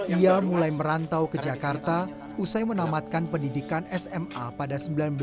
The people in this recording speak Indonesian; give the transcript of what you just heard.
ia mulai merantau ke jakarta usai menamatkan pendidikan sma pada seribu sembilan ratus sembilan puluh